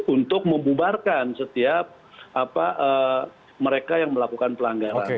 untuk membubarkan setiap mereka yang melakukan pelanggaran